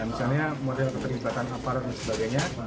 misalnya model keterlibatan aparat dan sebagainya